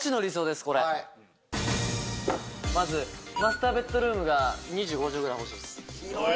まずマスターベッドルームが２５畳ぐらい欲しいです。